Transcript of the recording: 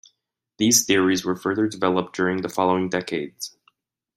These theories were further developed during the following decades.